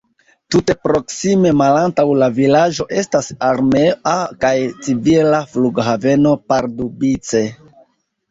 Tute proksime malantaŭ la vilaĝo estas armea kaj civila flughaveno Pardubice.